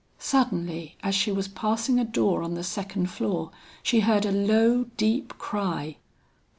Suddenly as she was passing a door on the second floor, she heard a low deep cry.